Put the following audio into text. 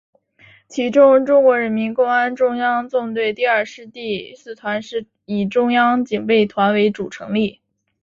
其中中国人民公安中央纵队第二师第四团是以中央警备团为主成立。